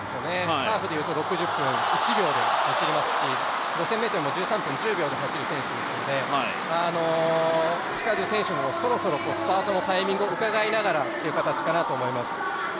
ハーフでいくと、６０分１秒で走りますし、５０００ｍも１３分１０秒で走る選手なのでフィカドゥ選手もそろそろタイミングを伺いながらということになると思います。